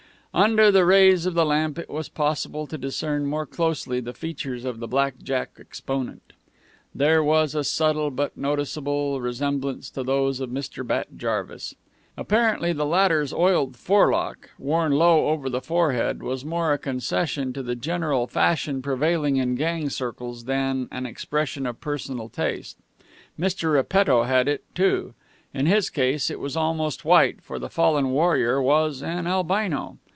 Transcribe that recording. Under the rays of the lamp it was possible to discern more closely the features of the black jack exponent. There was a subtle but noticeable resemblance to those of Mr. Bat Jarvis. Apparently the latter's oiled forelock, worn low over the forehead, was more a concession to the general fashion prevailing in gang circles than an expression of personal taste. Mr. Repetto had it, too. In his case it was almost white, for the fallen warrior was an albino.